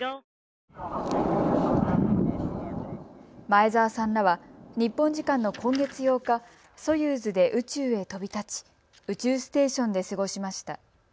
前澤さんらは日本時間の今月８日、ソユーズで宇宙へ飛び立ち、宇宙ステーションで過ごしました。